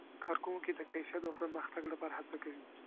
کارکوونکي د کیفیت او پرمختګ لپاره هڅه کوي.